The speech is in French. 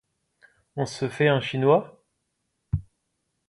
On se fait un chinois ?